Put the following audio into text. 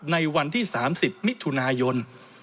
ในวันที่๓๐มิถุนายน